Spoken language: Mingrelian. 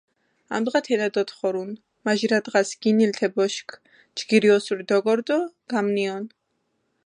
ამდღა თენა დოთხორუნ, მაჟირა დღას გინილჷ თე ბოშქ, ჯგირი ოსური დოგორჷ დო გამნიჸონჷ.